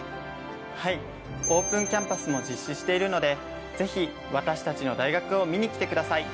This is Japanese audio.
はいオープンキャンパスも実施しているのでぜひ私たちの大学を見に来てください。